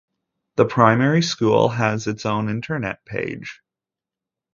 The primary school has its own Internet page.